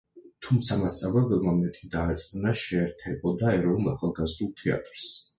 თუმცა მასწავლებელმა მეტი დაარწმუნა, შეერთებოდა ეროვნულ ახალგაზრდულ თეატრს.